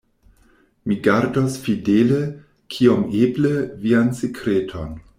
Mi gardos fidele, kiom eble, vian sekreton.